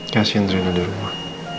kasian rina di rumah